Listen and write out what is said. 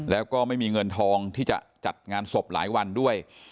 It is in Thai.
แล้วก็ไม่มีเงินทองที่จะจัดงานศพหลายวันด้วย